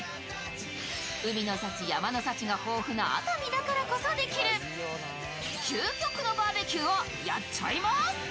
海の幸、山の幸が豊富な熱海だからこそできる究極のバーベキューをやっちゃいます。